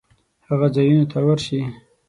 هغو ځایونو ته ورشي